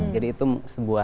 jadi itu sebuah